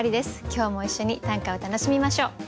今日も一緒に短歌を楽しみましょう。